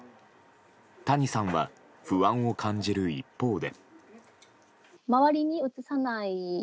谷さんは不安を感じる一方で。